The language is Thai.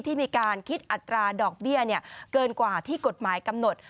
ที่มีการคิดอัตราดอกเบี้ยเกินกว่าที่กฎหมายกำหนด